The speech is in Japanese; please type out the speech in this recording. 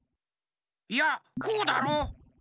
いやこうだろ。